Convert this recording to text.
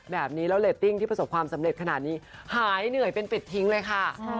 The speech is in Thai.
แบบนี้แล้วเรตติ้งที่ประสบความสำเร็จขนาดนี้หายเหนื่อยเป็นปิดทิ้งเลยค่ะ